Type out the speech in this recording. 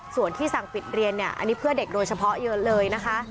ส่วนที่สั่งปิดเรียนเนี่ยอันนี้เพื่อเด็กโดยเฉพาะเยอะเลยนะคะ